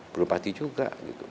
belum pasti juga